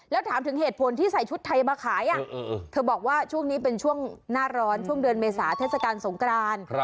แล้วถามถึงเหตุผลที่ใส่ชุดไทยมาขายเธอบอกว่าช่วงนี้เป็นช่วงหน้าร้อนช่วงเดือนเมษาเทศกาลสงคราน